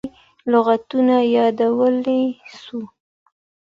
د ټکنالوژۍ په مرسته موږ په اسانۍ سره نوي لغتونه یادولای سو.